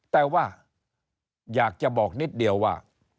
แต่ว่าอยากจะบอกนิดเดียวว่า